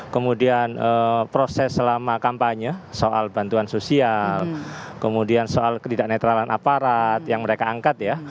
kemudian proses selama kampanye soal bantuan sosial kemudian soal ketidak netralan aparat yang mereka angkat ya